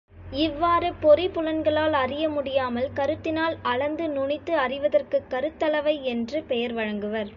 இவ்வாறு, பொறி புலன்களால் அறிய முடியாமல் கருத்தினால் அளந்து நுனித்து அறிவதற்குக் கருத்தளவை என்று பெயர் வழங்குவர்.